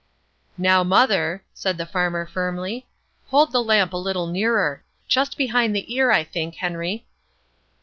"Now, mother," said the farmer firmly, "hold the lamp a little nearer; just behind the ear, I think, Henry."